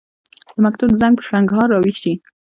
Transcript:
د مکتب د زنګ، په شرنګهار راویښ شي